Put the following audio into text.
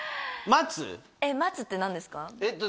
「待つ」って何ですか？